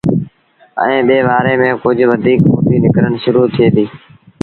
ائيٚݩ ٻي وآري ميݩ ڪجھ وڌيٚڪ ڦُٽيٚ نڪرڻ شرو ٿئي ديٚ